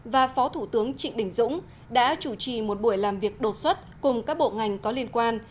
và phó thủ tướng trịnh đình dũng đã chủ trì một buổi làm việc đột xuất cùng các bộ ngành có liên quan